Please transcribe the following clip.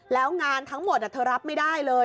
แล้วงานทั้งหมดเธอรับไม่ได้เลย